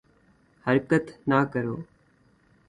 حرکت نہ کرو